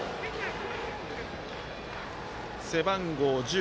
背番号１０。